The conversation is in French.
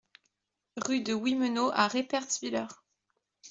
Rue de Wimmenau à Reipertswiller